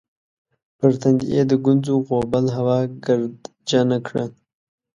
پر تندي یې د ګونځو غوبل هوا ګردجنه کړه